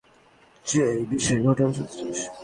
সে এই বিষয়ে কথা বলতে চায়।